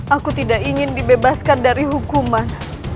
aku tidak ingin dibebaskan dari hukuman